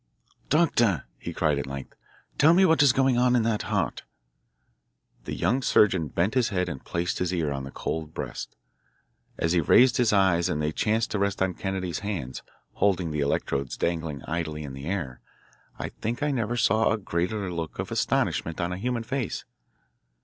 "Doctor," he cried at length, "tell me what is going on in that heart." The young surgeon bent his head and placed his ear on the cold breast. As he raised his eyes and they chanced to rest on Kennedy's hands, holding the electrodes dangling idly in the air, I think I never saw a greater look of astonishment on a human face.